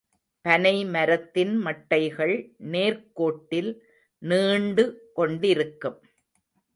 பனை மரத்தின் மட்டைகள் நேர்க் கோட்டில் நீண்டு கொண்டிருக்கும்.